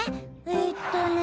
えっとね